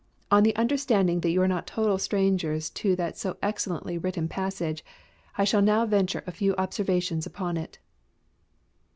On the understanding that you are not total strangers to that so excellently written passage I shall now venture a few observations upon it.